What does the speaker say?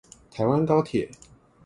台灣高鐵